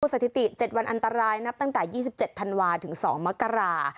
สถิติ๗วันอันตรายนับตั้งแต่๒๗ธันวาถึง๒มกรา